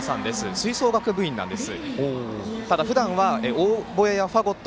吹奏楽部員です。